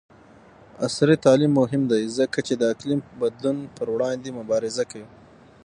عصري تعلیم مهم دی ځکه چې د اقلیم بدلون پر وړاندې مبارزه کوي.